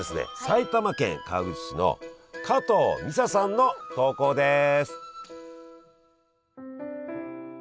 埼玉県川口市の加藤美沙さんの投稿です。